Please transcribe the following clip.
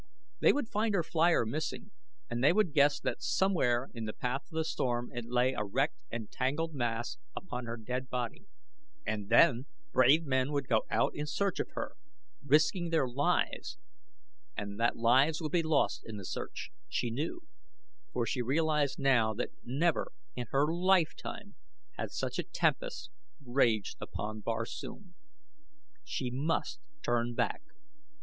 They would find her flier missing and they would guess that somewhere in the path of the storm it lay a wrecked and tangled mass upon her dead body, and then brave men would go out in search of her, risking their lives; and that lives would be lost in the search, she knew, for she realized now that never in her life time had such a tempest raged upon Barsoom. She must turn back!